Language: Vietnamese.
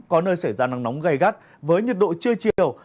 có nơi xảy ra nắng nóng gây gắt với nhiệt độ trưa chiều